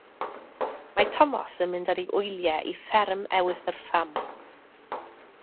Mae Tomos yn mynd ar ei wyliau i fferm Ewythr Sam.